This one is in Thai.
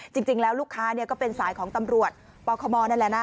จริงแล้วลูกค้าก็เป็นสายของตำรวจปคมนั่นแหละนะ